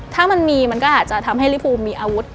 ถ้ามันมีมันก็อาจจะทำให้ลิฟูมีอาวุธ